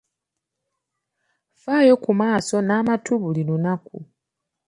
Faayo ku maaso n’amatu buli lunaku.